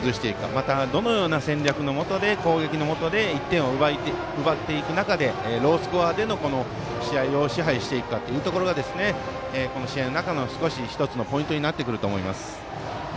また、どのような戦略のもとで攻撃のもとで１点を奪っていく中でロースコアで試合を支配していくかがこの試合の中での少し１つのポイントになってくると思います。